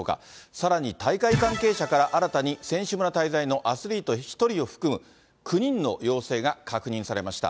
さらに大会関係者から、新たに選手村滞在のアスリート１人を含む９人の陽性が確認されました。